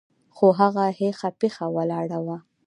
خو هغه هيښه پيښه ولاړه وه.